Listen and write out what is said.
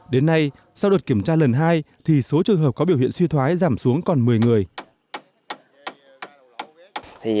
đến nay sau đợt kiểm tra lần hai thì số trường hợp có biểu hiện suy thoái giảm xuống còn một mươi người